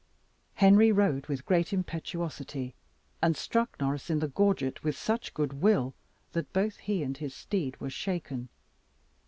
Henry rode with great impetuosity, and struck Norris in the gorget with such good will that both he and his steed were shaken.